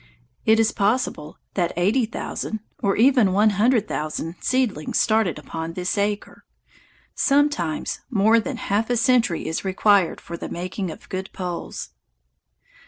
It is possible that eighty thousand, or even one hundred thousand, seedlings started upon this acre. Sometimes more than half a century is required for the making of good poles.